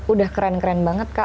udah keren keren banget kak